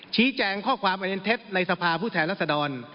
ชี้แจงข้อความอันเป็นเท็จในสภาผู้แทนรัศดร